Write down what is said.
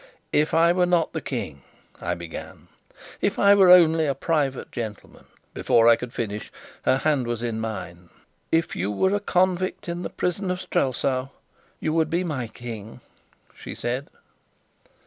"If I were not the King," I began, "if I were only a private gentleman " Before I could finish, her hand was in mine. "If you were a convict in the prison of Strelsau, you would be my King," she said.